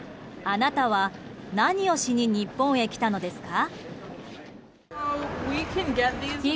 あなたは何をしに日本へ来たのですか？